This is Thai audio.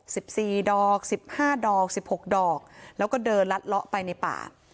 สิบสี่ดอกสิบห้าดอกสิบหกดอกแล้วก็เดินลัดเลาะไปในป่า